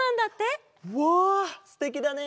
わあすてきだね！